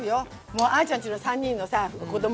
もうあちゃんちの３人のさ子供。